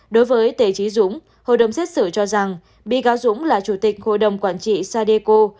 đối với tề trí dũng hội đồng xét xử cho rằng bị cáo dũng là chủ tịch hội đồng quản trị sadeco